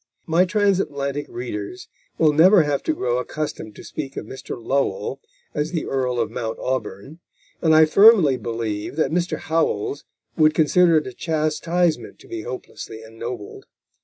My Transatlantic readers will never have to grow accustomed to speak of Mr. Lowell as the Earl of Mount Auburn, and I firmly believe that Mr. Howells would consider it a chastisement to be hopelessly ennobled.